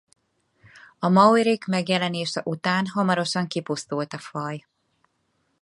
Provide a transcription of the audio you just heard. A maorik megjelenése után hamarosan kipusztult a faj.